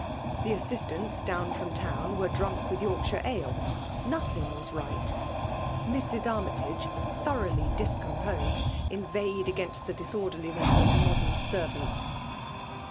The assistants down from town 140 FEMALE DOMINATION. were drunk with Yorkshire ale — nothing was right. Mrs. Annytage, thoroughly discom posed, inveighed against the disorderliness of modem servants.